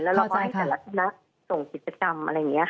แล้วเราก็ให้แต่ละคณะส่งกิจกรรมอะไรอย่างนี้ค่ะ